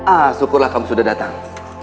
ah syukurlah kamu sudah datang